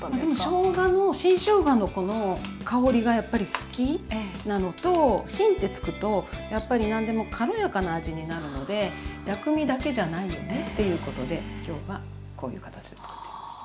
しょうがの新しょうがのこの香りがやっぱり好きなのと「新」ってつくとやっぱり何でも軽やかな味になるので薬味だけじゃないよねっていうことで今日はこういう形で作ってます。